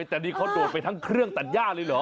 แต่นี่เขาโดดไปทั้งเครื่องตัดย่าเลยเหรอ